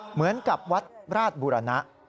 เหมือนกับวัดราชบุรณะ